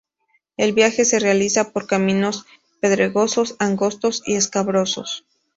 El viaje se realiza por caminos pedregosos, angostos y escabrosos.